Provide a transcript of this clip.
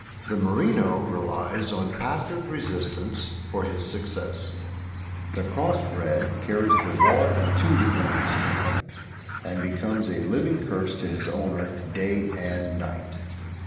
The merino relies on passive resistance for his success; the cross bred carries the war into the enemy's camp, and becomes a living curse to his owner day and night.